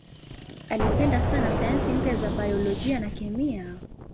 Alipenda sana sayansi mpya za biolojia na kemia.